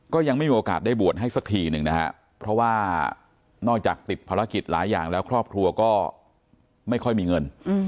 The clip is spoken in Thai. ก็ยังไม่มีโอกาสได้บวชให้สักทีหนึ่งนะฮะเพราะว่านอกจากติดภารกิจหลายอย่างแล้วครอบครัวก็ไม่ค่อยมีเงิน